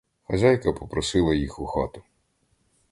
Хазяйка попросила їх у хату.